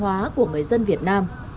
hoàn hóa của người dân việt nam